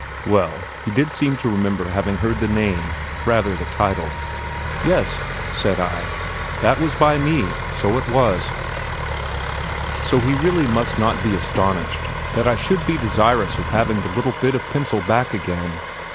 Well, he did seem to remember having heard the name, rather the title. "Yes," said I, "that was by me, so it was." So he must really not be astonished that I should be desirous of having the little bit of pencil back again.